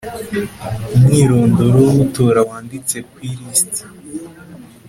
umwirondoro w utora wanditse ku ilisiti